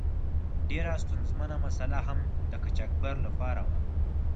ډیره ستونزمنه مساله هم د قاچاقبر له پاره وه.